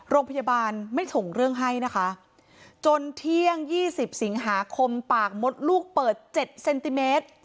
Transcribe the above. โรงพยาบาลไม่ส่งเรื่องให้นะคะจนเที่ยง๒๐สิงหาคมปากมดลูกเปิด๗เซนติเมตร